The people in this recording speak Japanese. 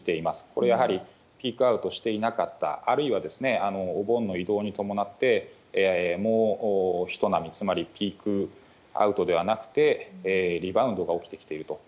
これはやはりピークアウトしていなかった、あるいは、お盆の移動に伴って、もうひと波、つまりピークアウトではなくて、リバウンドが起きてきていると。